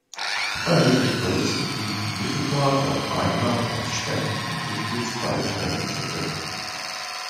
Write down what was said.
Bei möglichen Verlusten dienten mittelbar auch Einnahmen aus Spenden und Mitgliedsbeiträge zur Deckung.